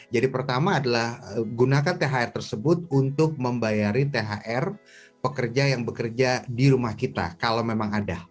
jadi pertama adalah gunakan thr tersebut untuk membayari thr pekerja yang bekerja di rumah kita kalau memang ada